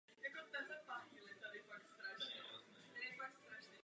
Tamějším jednotkám velí generál Shepherd.